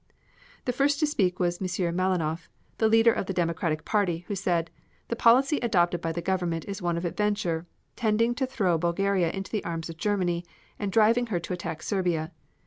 The first to speak was M. Malinoff, leader of the Democratic party, who said: "The policy adopted by the Government is one of adventure, tending to throw Bulgaria into the arms of Germany, and driving her to attack Serbia.